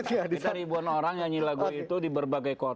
sekitar ribuan orang nyanyi lagu itu di berbagai kota